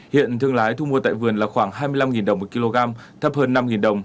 hiện thương lái thu mua tại vườn là khoảng hai mươi năm đồng một kg